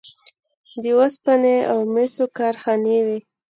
د وسپنې او مسو کارخانې وې